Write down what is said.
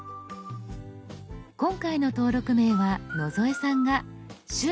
今回の登録名は野添さんが「趣味野添」。